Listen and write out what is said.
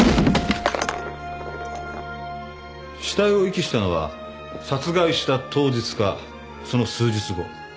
死体を遺棄したのは殺害した当日かその数日後。